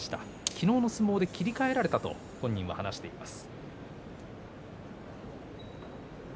昨日の相撲で切り替えられたと本人は話しています。